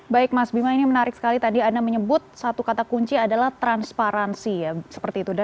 baik mas bima ini menarik sekali tadi anda menyebut satu kata kunci adalah transparansi ya seperti itu